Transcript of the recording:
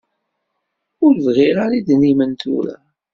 Ur bɣiɣ ara idrimen tura.